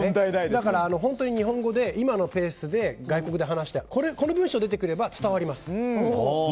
だから、日本語で今のペースで外国で話してこの文章が出てくれば伝わります。